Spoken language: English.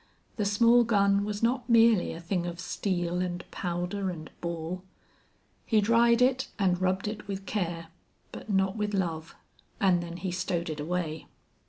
The small gun was not merely a thing of steel and powder and ball. He dried it and rubbed it with care, but not with love, and then he stowed it away.